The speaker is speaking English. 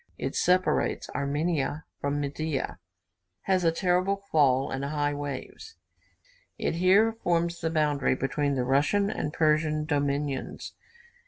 It separates Armenia from Media, has a terrible fall, and high waves. It here forms the boundary between the Russian and Persian dominions.